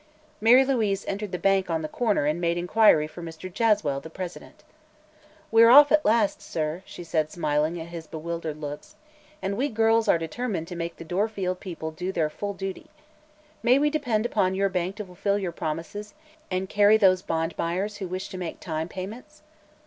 Mary Louise entered the bank on the corner and made inquiry for Mr. Jaswell, the president. "We're off at last, sir," she said, smiling at his bewildered looks, "and we girls are determined to make the Dorfield people do their full duty. May we depend upon your bank to fulfill your promises, and carry those bond buyers who wish to make time payments?"